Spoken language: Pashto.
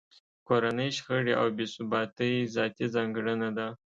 کورنۍ شخړې او بې ثباتۍ ذاتي ځانګړنه ده.